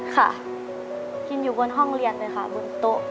ค่ะกินอยู่บนห้องเรียนเลยค่ะบนโต๊ะ